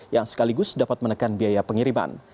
yang sekaligus dapat menekan biaya pengiriman